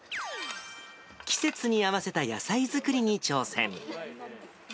季節に合わせた野菜作りに挑戦。